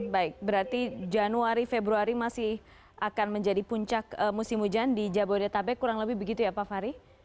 baik berarti januari februari masih akan menjadi puncak musim hujan di jabodetabek kurang lebih begitu ya pak fahri